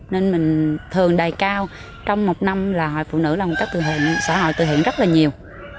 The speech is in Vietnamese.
nên mình thường đề cao trong một năm là hội phụ nữ là một các xã hội tự hiện rất là nhiều